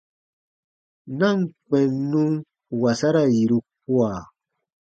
Na ǹ kpɛ̃ n nun wasara yiru kua.